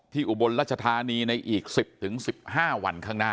ที่อุบรณรัฐชธานีในอีก๑๐ถึง๑๕วันข้างหน้า